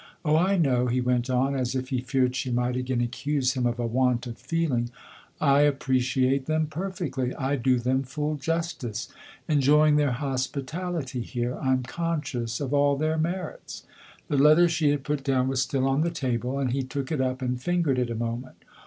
Oh, I know/' he went on, as if he feared she might again accuse him of a want of feeling ; "I appreciate them perfectly I do them full justice. Enjoying their hospitality here, I'm conscious of all their merits." The letter she had put down was still on the table, and he took it up and fingered it a moment.